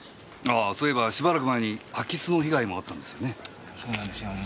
あぁそういえばしばらく前に空き巣の被害もあったんですよね？